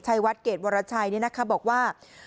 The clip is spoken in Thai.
ชายวัดเกรดวรชัยนี่นะคะบอกว่า